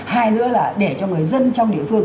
hai nữa là để cho người dân trong địa phương